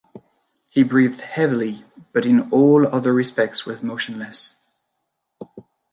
He breathed heavily, but in all other respects was motionless.